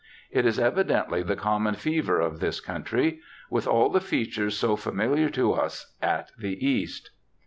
It is evidently the common fever of this country, with all the features so familiar to us at the East.'